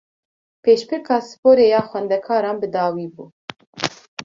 Pêşbirka sporê ya xwendekaran bi dawî bû